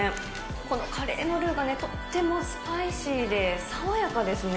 このカレーのルーがね、とってもスパイシーで爽やかですね。